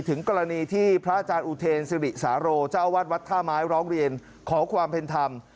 ถึงกรณีที่พระอาจารย์อุเทนสิริสาโรเจ้าวัดวัดท่าไม้ร้องเรียนขอความเป็นธรรม